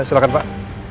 hai silahkan pak